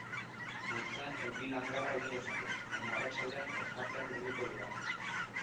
Goizean euri langarra egin lezake, baina arratsaldean ostarteak irekiko dira.